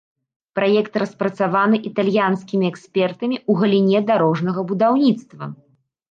Праект распрацаваны італьянскімі экспертамі ў галіне дарожнага будаўніцтва.